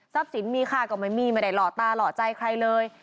สินมีค่าก็ไม่มีไม่ได้หล่อตาหล่อใจใครเลย